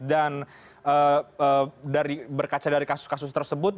dan berkaca dari kasus kasus tersebut